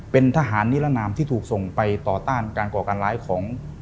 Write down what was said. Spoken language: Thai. เป็นทหารนิรนามที่ถูกส่งไปต่อต้านการก่อการร้ายของ